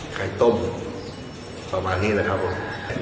ไข่ต้มสำหรับนี่นะครับผม